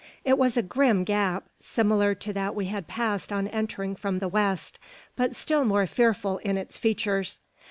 It was a grim gap, similar to that we had passed on entering from the west, but still more fearful in its features.